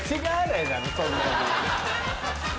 そんなに。